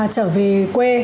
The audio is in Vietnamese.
trở về quê